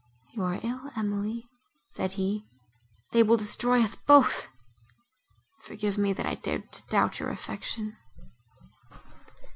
"You are ill, Emily," said he, "they will destroy us both! Forgive me, that I dared to doubt your affection."